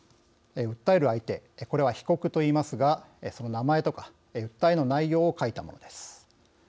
訴える相手これは被告といいますがその名前とか訴えの内容を書いたものです。